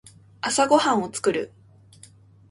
朝ごはんを作る。